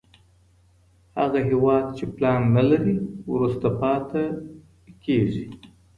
هغه هېواد چي پلان نلري، وروسته پاته پاته کېږي.